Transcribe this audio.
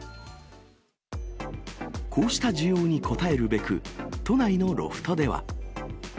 こうした需要に応えるべく、都内のロフトでは。